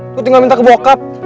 ikut tinggal minta ke bokap